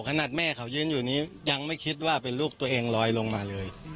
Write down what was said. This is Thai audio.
ขนาดแม่เขายืนอยู่นี้ยังไม่คิดว่าเป็นลูกตัวเองลอยลงมาเลย